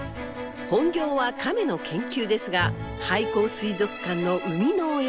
本業はカメの研究ですが廃校水族館の生みの親。